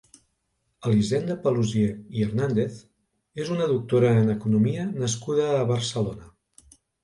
Elisenda Paluzie i Hernández és una doctora en economia nascuda a Barcelona.